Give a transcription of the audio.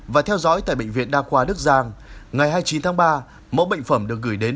và theo dõi tại bệnh viện đa khoa đức giang ngày hai mươi chín tháng ba mẫu bệnh phẩm được gửi đến